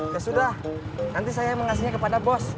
ya sudah nanti saya mau ngasihnya kepada bos